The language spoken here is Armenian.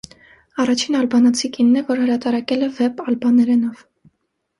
Առաջին ալբանացի կինն է, ով հրատարակել է վեպ ալբաներենով։